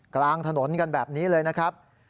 กลางถนนกันแบบนี้เลยนะครับ